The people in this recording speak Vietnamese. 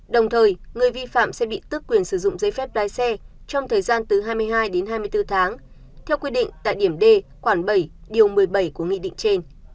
đồng thời người vi phạm sẽ bị tước quyền sử dụng giấy phép lái xe trong thời gian từ hai mươi hai đến hai mươi bốn tháng theo quy định tại điểm d khoản bảy điều một mươi bảy của nghị định trên